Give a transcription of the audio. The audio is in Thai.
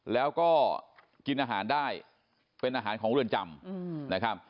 แล้วก็กินอาหารได้เป็นอาหารของเรือนจำนะครับ